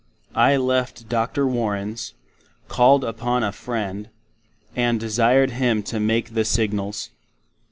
I left Dr. Warrens, called upon a friend, and desired him to make the Signals.